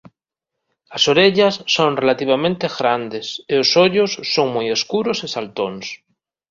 As orellas son relativamente grandes e os ollos son moi escuros e saltóns.